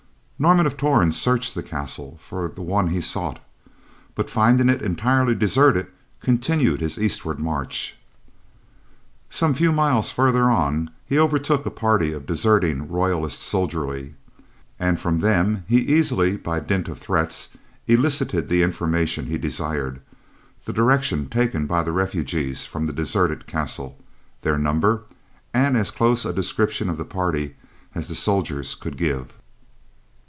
Norman of Torn searched the castle for the one he sought, but, finding it entirely deserted, continued his eastward march. Some few miles farther on, he overtook a party of deserting royalist soldiery, and from them he easily, by dint of threats, elicited the information he desired: the direction taken by the refugees from the deserted castle, their number, and as close a description of the party as the soldiers could give.